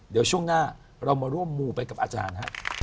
เดี๋ยวช่วงหน้าเรามาร่วมมูไปกับอาจารย์ฮะ